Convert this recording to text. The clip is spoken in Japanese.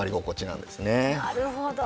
なるほど。